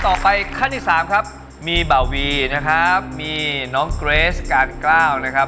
โอ้โหผมเนี่ยนะครับ